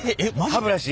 歯ブラシ？